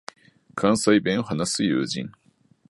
関西弁を話す友人